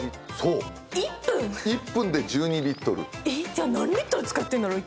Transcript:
じゃあ何リットル使ってんだろ１日。